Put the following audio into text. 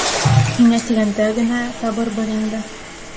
Һиңә тигәндә генә табырбыҙ инде.